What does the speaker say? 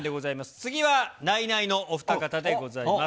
次はナイナイのお二方でございます。